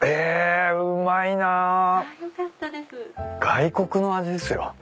外国の味ですよ。